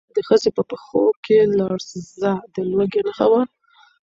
ایا د ښځې په پښو کې لړزه د لوږې نښه وه؟